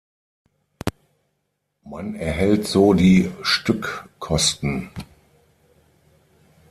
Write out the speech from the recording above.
Man erhält so die Stückkosten.